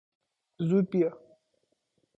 زود بیا!